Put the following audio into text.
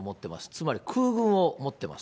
つまり空軍を持っています。